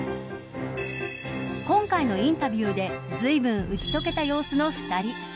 今回のインタビューでずいぶん打ち解けた様子の２人。